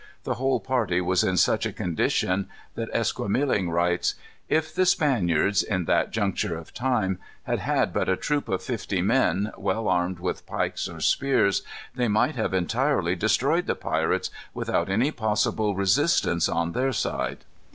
The whole party was in such a condition, that Esquemeling writes: "If the Spaniards, in that juncture of time, had had but a troop of fifty men, well armed with pikes or spears, they might have entirely destroyed the pirates, without any possible resistance on their side."